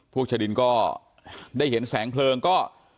พวกชดินน์ก็ได้เห็นแสงเปลืองก็